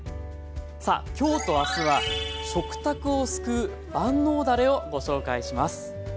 さあ今日と明日は食卓を救う万能だれをご紹介します。